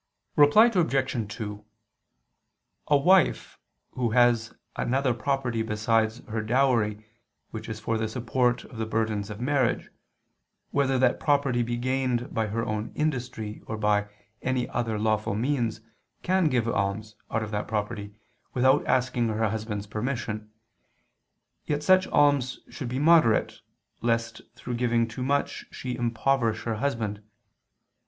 Reply Obj. 2: A wife, who has other property besides her dowry which is for the support of the burdens of marriage, whether that property be gained by her own industry or by any other lawful means, can give alms, out of that property, without asking her husband's permission: yet such alms should be moderate, lest through giving too much she impoverish her husband.